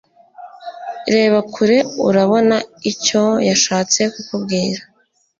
reba kure urabona icyo yashatse kukubwira